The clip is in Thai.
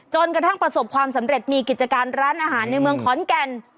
กระทั่งประสบความสำเร็จมีกิจการร้านอาหารในเมืองขอนแก่น